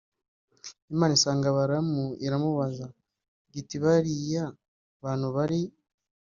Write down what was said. Imana isanga balamu iramubaza g iti bariya bantu bari